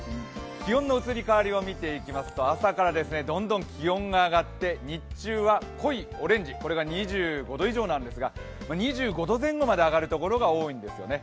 気温の移り変わりを見ていきますと、朝からどんどん気温が上がって日中は、濃いオレンジが２５度以上なんですが、２５度前後まで上がるところが多いんですね。